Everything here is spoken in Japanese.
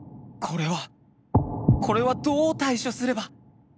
これはどう対処すれば！？